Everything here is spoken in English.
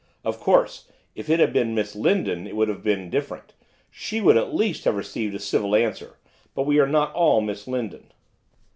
Of course, if it had been Miss Lindon it would have been different; she would at least have received a civil answer. But we are not all Miss Lindon.